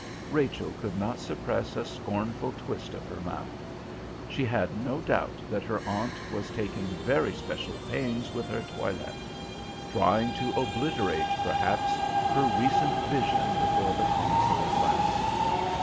Rachel could not suppress a scornful twist of her mouth. She had no doubt that her aunt was taking very special pains with her toilet; trying to obliterate, perhaps, her recent vision before the console glass.